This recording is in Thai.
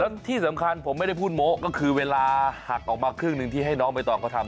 แล้วที่สำคัญผมไม่ได้พูดโม้ก็คือเวลาหักออกมาครึ่งหนึ่งที่ให้น้องใบตองเขาทำ